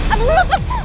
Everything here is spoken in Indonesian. aduh lepas lepas